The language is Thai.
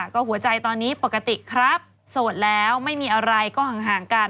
ก็หัวใจตอนนี้ปกติครับโสดแล้วไม่มีอะไรก็ห่างกัน